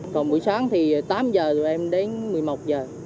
còn buổi sáng thì tám giờ tụi em đến một mươi một giờ